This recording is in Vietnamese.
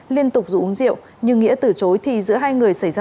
liên tục rủ uống rượu nhưng nghĩa từ chối thì giữa hai người xảy ra mô thuẫn